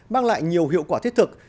mang lại nhiều hiệu quả thiết thực